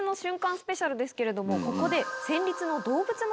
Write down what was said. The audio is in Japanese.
スペシャルですけれどもここで。